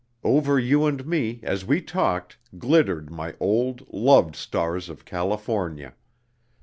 Over you and me, as we talked, glittered my old, loved stars of California.